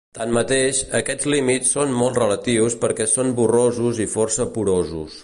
Tanmateix, aquests límits són molt relatius perquè són borrosos i força porosos.